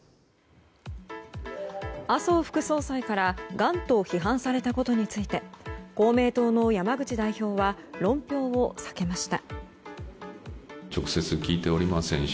麻生副総裁からがんと批判されたことについて公明党の山口代表は論評を避けました。